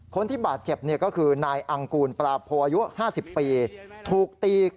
คนที่บาดเจ็บก็คือนายอังกูลปลาโพอายุ๕๐ปีถูกตี